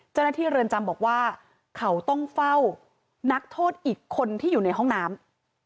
เจ้าหน้าที่เรือนจำบอกว่าเขาต้องเฝ้านักโทษอีกคนที่อยู่ในห้องน้ำ